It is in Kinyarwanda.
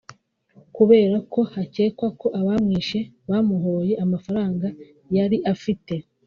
Kubera ko hakekwa ko abamwishe bamuhoye amafaranga yari afite